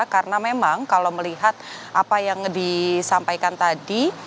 karena memang kalau melihat apa yang disampaikan tadi